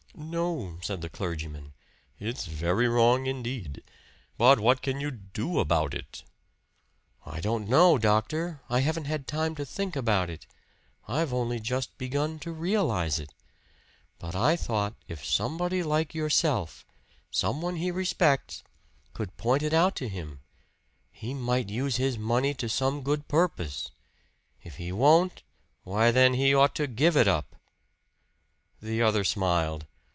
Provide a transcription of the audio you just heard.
"No," said the clergyman, "it's very wrong indeed. But what can you do about it?" "I don't know, doctor. I haven't had time to think about it I've only just begun to realize it. But I thought if somebody like yourself some one he respects could point it out to him, he might use his money to some good purpose. If he won't, why then he ought to give it up." The other smiled.